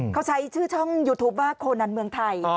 เขาใช้ชื่อช่องยูทูปว่าโคนันเมืองไทย